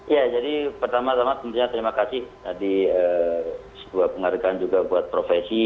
ya jadi pertama tama tentunya terima kasih tadi sebuah penghargaan juga buat profesi